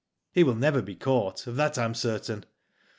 He will never be caught, of that I am certain.